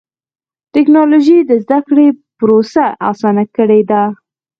ټکنالوجي د زدهکړې پروسه اسانه کړې ده.